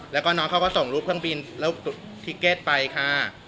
แล้วก็น้องเขาก็ส่งรูปเครื่องบินแล้วทิเก็ตไปค่ะ